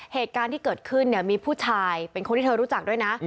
เหตุการณ์ที่เกิดขึ้นเนี่ยมีผู้ชายเป็นคนที่เธอรู้จักด้วยนะ